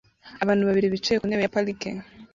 Abantu babiri bicaye ku ntebe ya parike